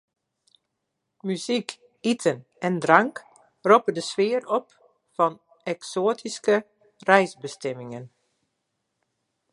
Muzyk, iten en drank roppe de sfear op fan eksoatyske reisbestimmingen.